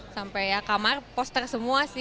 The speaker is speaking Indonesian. sampai ya kamar poster semua sih